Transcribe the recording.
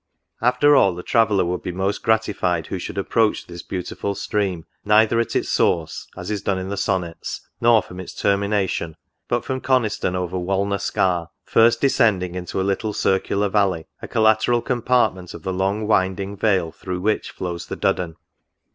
After all, the traveller would be most gratified who should approach this beautiful Stream, neither at its source, as is done in the Sonnets, nor from its termination; but from Coniston over Walna Scar; first descending into a Httle circular valley, a collateral compartment of the long winding vale through which flows the Duddon.